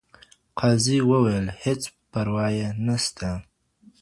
قاضي و ویله هیڅ پروا یې نسته